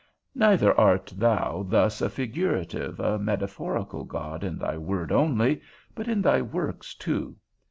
Neither art thou thus a figurative, a metaphorical God in thy word only, but in thy works too.